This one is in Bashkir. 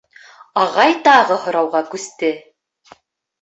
Ағай тағы һорауға күсте: